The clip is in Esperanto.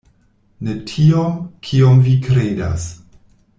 Ne tiom, kiom vi kredas.